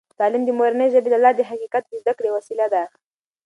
تعلیم د مورنۍ ژبې له لارې د حقیقت د زده کړې وسیله ده.